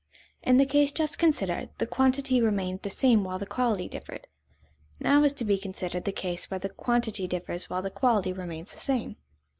_ In the case just considered, the quantity remained the same while the quality differed; now is to be considered the case where the quantity differs while the quality remains the same.